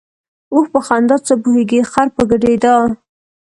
ـ اوښ په خندا څه پوهېږي ، خر په ګډېدا.